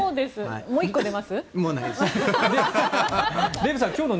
もう１個出ます？